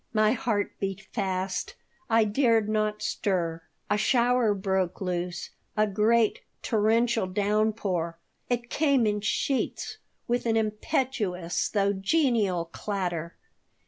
My heart beat fast. I dared not stir A shower broke loose, a great, torrential downpour. It came in sheets, with an impetuous, though genial, clatter.